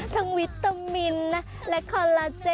ทั้งวิตามินและคอลลาเจน